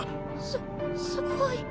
すすごい。